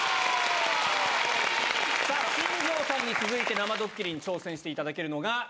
さあ、新庄さんに続いて生ドッキリに挑戦していただけるのが。